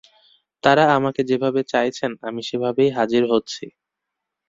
তাঁরা আমাকে যেভাবে চাইছেন, আমি সেভাবেই হাজির হচ্ছি।